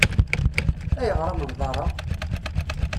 Ayɣer amenḍar-a?